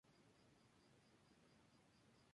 Dejó Roma para trabajar para Francesco Sforza en Milán.